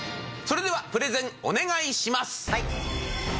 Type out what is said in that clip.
それではプレゼンお願いします！